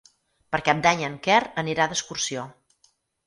Per Cap d'Any en Quer anirà d'excursió.